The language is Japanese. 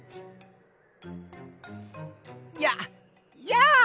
ややあ！